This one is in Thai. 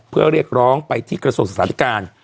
เพื่อเรียกร้องไปที่กระทรวงศึกษาธิการ